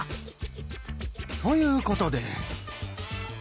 ということで。